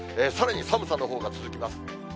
さらに寒さのほうが続きます。